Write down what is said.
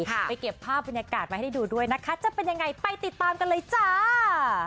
ไปเก็บภาพบรรยากาศมาให้ดูด้วยนะคะจะเป็นยังไงไปติดตามกันเลยจ้า